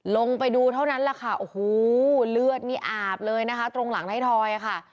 ลงไปดูเท่านั้นแหละค่ะโอ้โหเลือดนี่อาบเลยนะคะตรงหลังไทยทอยค่ะ